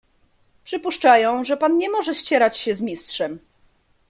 "Przypuszczają, że pan nie może ścierać się z Mistrzem."